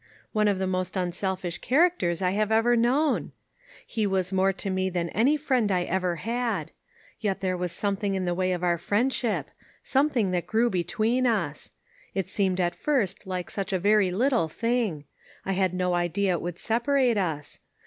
One of the most unselfish characters I have ever known. He was more to me than any friend I ever had. Yet there was something in the way of our friendship — something that grew between us. It seemed at first like such a very little thing. I had no idea it would separate us.